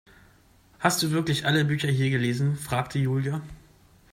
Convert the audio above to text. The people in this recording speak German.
Hast du wirklich alle Bücher hier gelesen, fragte Julia.